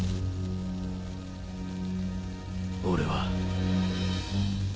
俺は。